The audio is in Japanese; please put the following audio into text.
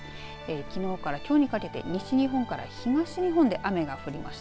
きのうからきょうにかけて西日本から東日本で雨が降りました。